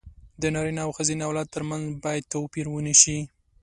د نارينه او ښځينه اولاد تر منځ بايد توپير ونشي.